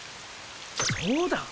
そうだ！